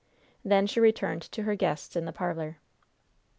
Then she returned to her guests in the parlor.